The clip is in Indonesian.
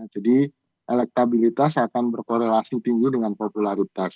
jadi elektabilitas akan berkorelasi tinggi dengan popularitas